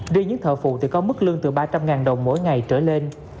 riêng những thợ phụ thì có mức lương từ ba trăm linh đồng mỗi ngày trở lên